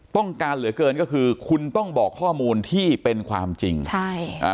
ต้องการเหลือเกินก็คือคุณต้องบอกข้อมูลที่เป็นความจริงใช่อ่า